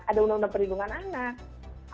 ada undang undang perlindungan anak